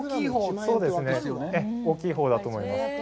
そうですね、大きいほうだと思います。